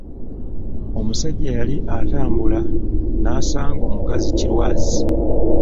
Omusajja yali atambula nasanga omukazi ki lwazi.